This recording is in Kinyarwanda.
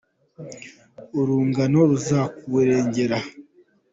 urungano ruzakurengera?